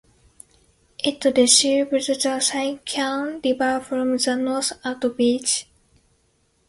It receives the Sycan River from the north at Beatty.